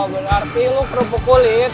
bener arti lo kerupuk kulit